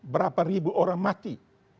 berapa ribu orang mati